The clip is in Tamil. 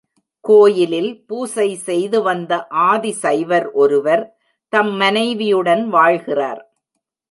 கோயிலில் பூசை செய்து வந்த ஆதிசைவர் ஒருவர், தம் மனைவியுடன் வாழ்கிறார்.